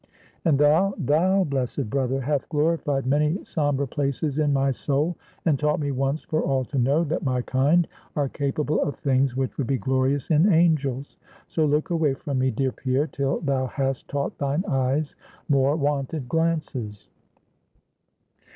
And thou, thou, blessed brother, hath glorified many somber places in my soul, and taught me once for all to know, that my kind are capable of things which would be glorious in angels. So look away from me, dear Pierre, till thou hast taught thine eyes more wonted glances."